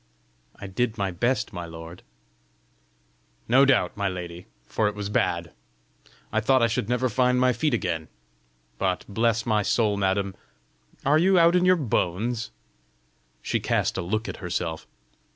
"I did my best, my lord." "No doubt, my lady, for it was bad! I thought I should never find my feet again! But, bless my soul, madam! are you out in your bones?" She cast a look at herself.